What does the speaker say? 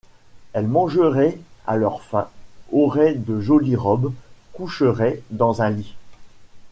Elles mangeraient à leur faim, auraient de jolies robes, coucheraient dans un lit.